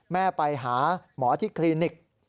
แม่ไปหาหมอที่คลินิก